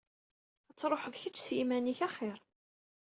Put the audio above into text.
Ad truḥeḍ kečč s yiman-ik axir.